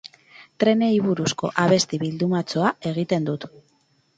Trenei buruzko abesti bildumatxoa egiten dut.